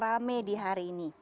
rame di hari ini